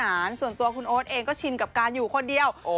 เมื่อที่เราซ่อนไปของพี่โอดเองก็ชินกับการอยู่คนเดียว